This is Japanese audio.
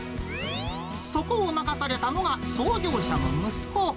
そこを任されたのが、創業者の息子。